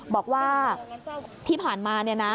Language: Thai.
บอกว่าที่ผ่านมา